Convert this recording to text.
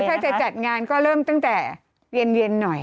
ถ้าจะจัดงานก็เริ่มตั้งแต่เย็นหน่อย